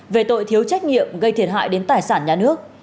về tội thiếu trách nhiệm gây thiệt hại đến tài sản nhà nước